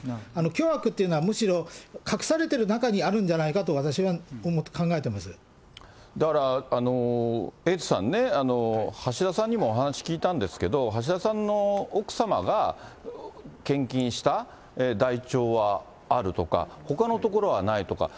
巨悪っていうのはむしろ隠されてる中にあるんじゃないかと、私はだからエイトさんね、橋田さんにもお話聞いたんですけれども、橋田さんの奥様が献金した台帳はあるとか、ほかのところはないとか。